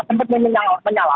sempat memang menyala